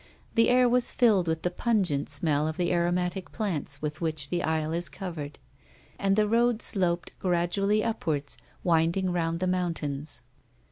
The air was filled with the pungent smell of the aromatic plants with which the isle is covered, and the road sloped gradually upwards, winding round the mountains.